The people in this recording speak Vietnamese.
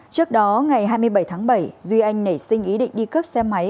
trước đó ngày hai mươi bảy tháng bảy duy anh nảy sinh ý định đi cướp xe máy